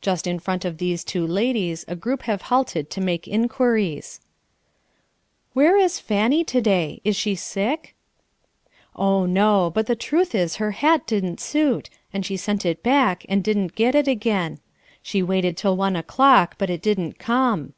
Just in front of these two ladies a group have halted to make inquiries. "Where is Fanny to day? Is she sick?" "Oh, no. But the truth is her hat didn't suit, and she sent it back and didn't get it again. She waited till one o'clock, but it didn't come.